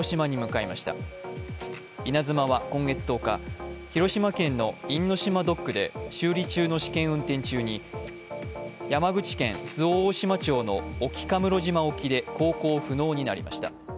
「いなづま」は今月１０日、広島県の因島ドックで修理中の試験運転中に、山口県周防大島町の沖家室島沖で航行不能になりました。